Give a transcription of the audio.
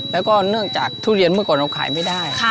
แล้วก็เนื่องจากทุเรียนเมื่อก่อนเราขายไม่ได้